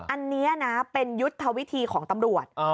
อันนี้นะเป็นยุทธวิธีของตำรวจ